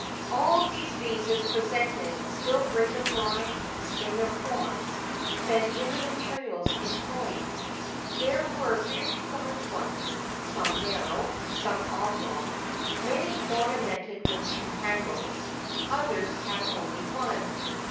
[XXVII 45] All these vases presented still greater varieties in their forms than in the materials employed. There were very large ones, some narrow, some oblong; many ornamented with two handles, others had only one.